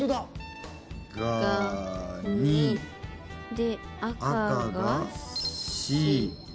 で赤が「シ」。